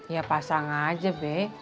ya pasang aja be